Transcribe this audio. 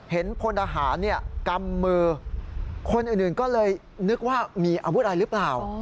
พลทหารกำมือคนอื่นก็เลยนึกว่ามีอาวุธอะไรหรือเปล่า